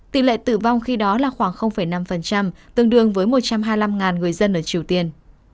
tỷ lệ tử vong khi đó là khoảng năm tương đương với một trăm hai mươi năm người dân ở triều tiên